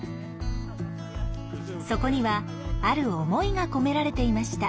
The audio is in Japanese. そこにはある思いが込められていました。